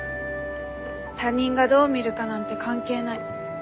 他人がどう見るかなんて関係ない。